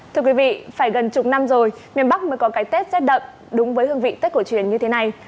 thưa quý vị phải gần chục năm rồi miền bắc mới có cái tết rét đậm đúng với hương vị tết cổ truyền như thế này